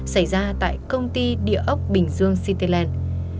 xảy ra tại công ty địa ốc bình dương cityland